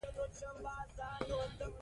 اجمل خټک انقلابي شاعر شو.